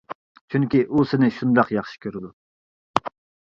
چۈنكى، ئۇ سېنى شۇنداق ياخشى كۆرىدۇ.